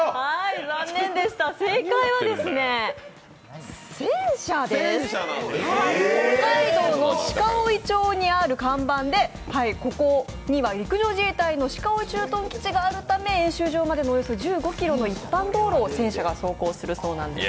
残念でした、正解は戦車です北海道の鹿追町にある看板で、ここには陸上自衛隊の鹿追駐屯地があるため演習場までのおよそ１５ｋｍの一般道を戦車が走行するそうなんです。